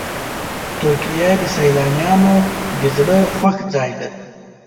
ترکیه د سیلانیانو د زړه خوښ ځای دی.